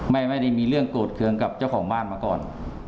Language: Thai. ไม่ได้มีเรื่องโกรธเครื่องกับเจ้าของบ้านมาก่อน